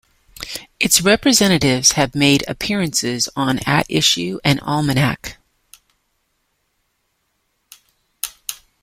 Its representatives have made appearances on "At Issue" and "Almanac".